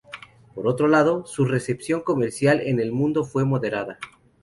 Por otro lado, su recepción comercial en el mundo fue moderada.